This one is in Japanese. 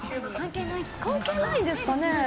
関係ないんですかね。